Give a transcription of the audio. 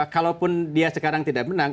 kalaupun dia sekarang tidak menang